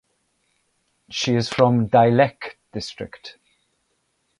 She is from Dailekh district.